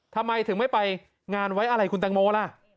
ทำไมถึงไม่ไปงานไว้อะไรคุณแตงโมล่ะ